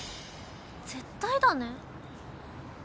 絶対だね？